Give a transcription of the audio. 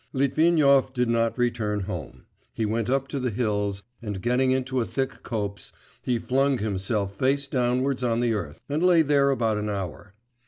XVII Litvinov did not return home; he went up to the hills, and getting into a thick copse, he flung himself face downwards on the earth, and lay there about an hour.